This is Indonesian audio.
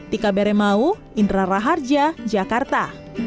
tika bere mau indra raharja jakarta